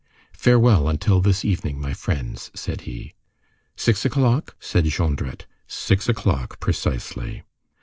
"Farewell until this evening, my friends!" said he. "Six o'clock?" said Jondrette. "Six o'clock precisely."